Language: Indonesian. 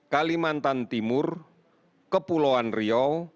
kalimantan timur kepulauan rio